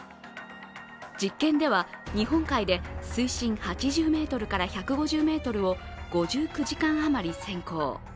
実験では、日本海で水深８０ｍから１５０ｍを５９時間余り潜航。